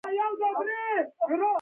استاد د ټولنې سترګې روښانه ساتي.